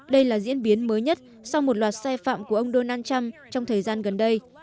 đây là diễn biến mới nhất sau một loạt sai phạm của ông donald trump trong thời gian gần đây